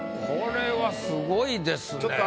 これはすごいですね。